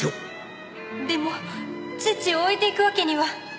でも父を置いていくわけには。